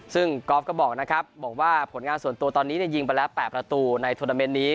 ซึ่งกอล์ฟก็บอกนะครับบอกว่าผลงานส่วนตัวตอนนี้ยิงไปแล้ว๘ประตูในโทรนาเมนต์นี้